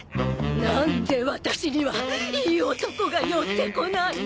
なんでワタシにはいい男が寄ってこないの？